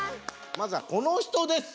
まずはこの人です。